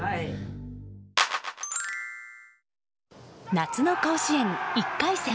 夏の甲子園１回戦。